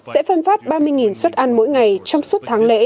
sẽ phân phát ba mươi suất ăn mỗi ngày trong suốt tháng lễ